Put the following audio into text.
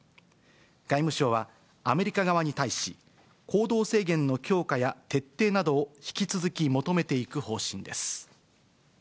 外務省は、アメリカ側に対し、行動制限の強化や徹底などを引き続き求めていく方針です。